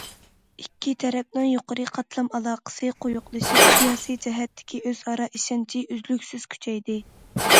ئىككى تەرەپنىڭ يۇقىرى قاتلام ئالاقىسى قويۇقلىشىپ، سىياسىي جەھەتتىكى ئۆزئارا ئىشەنچى ئۈزلۈكسىز كۈچەيدى.